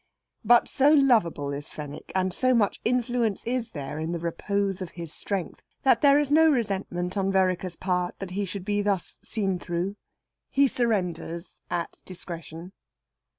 But so lovable is Fenwick, and so much influence is there in the repose of his strength, that there is no resentment on Vereker's part that he should be thus seen through. He surrenders at discretion.